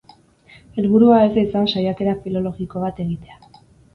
Helburua ez da izan saiakera filologiko bat egitea.